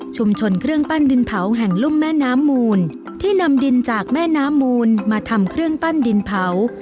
เครื่องปั้นดินเผาแห่งลุ่มแม่น้ำมูลที่นำดินจากแม่น้ำมูลมาทำเครื่องปั้นดินเผา